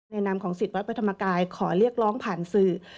นามของสิทธิ์วัดพระธรรมกายขอเรียกร้องผ่านสื่อ